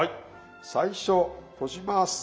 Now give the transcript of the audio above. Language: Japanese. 最初閉じます。